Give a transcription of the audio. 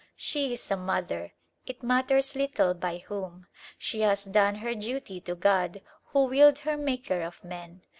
She is a mother: it matters little by whom. She has done her duty to God Who willed her maker of men.